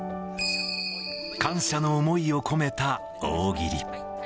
感謝の思いを込めた大喜利。